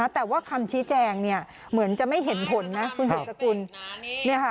แต่ว่าคำชี้แจงเหมือนจะไม่เห็นผลนะคุณสุดสกุล